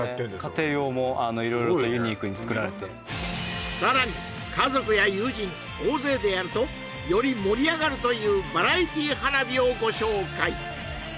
家庭用も色々とユニークに作られてすごいねさらに家族や友人大勢でやるとより盛り上がるというバラエティー花火をご紹介！